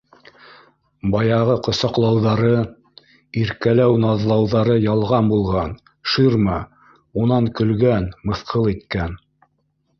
Баяғы ҡосаҡлауҙары, иркәләү-наҙлауҙары ялған булған, ширма, унан көлгән, мыҫҡыл иткән